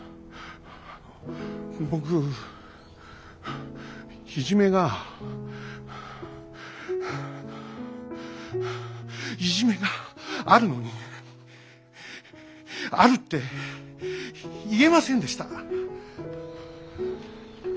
僕いじめがいじめがあるのにあるって言えませんでした。